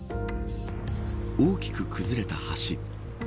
大きく崩れた橋。